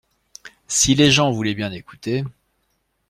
Si les gens voulaient bien écouter.